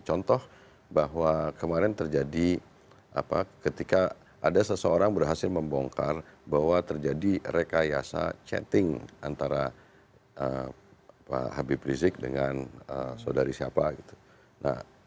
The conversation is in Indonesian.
contoh bahwa kemarin terjadi ketika ada seseorang berhasil membongkar bahwa terjadi rekayasa chatting antara pak habib rizik dengan saudari siapa gitu